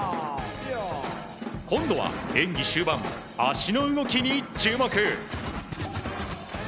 今度は演技終盤足の動きに注目。